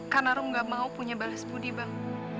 karena rung gak mau punya balas budi bang